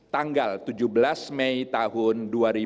tanggal tujuh belas mei tahun dua ribu delapan belas